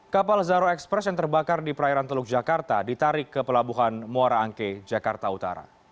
kapal zahro express yang terbakar di perairan teluk jakarta ditarik ke pelabuhan muara angke jakarta utara